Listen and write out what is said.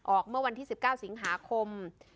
เมื่อวันที่๑๙สิงหาคม